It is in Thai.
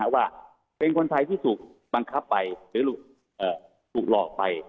ว่าเป็นคนไทยที่ถูกบังคับไปหรือถูกหลอกไป